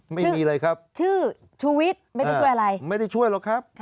ไม่มีเลยครับชื่อชุวิตไม่ได้ช่วยอะไรค่ะค่ะไม่ได้ช่วยหรอกครับ